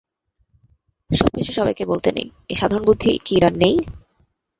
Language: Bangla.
সবকিছু সবাইকে বলতে নেই, এই সাধারণ বুদ্ধি কি ইরার নেই?